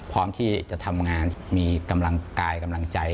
พร้อมที่จะทำงานมีกำลังกายกำลังใจ